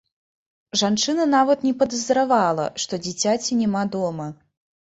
Жанчына нават не падазравала, што дзіцяці няма дома.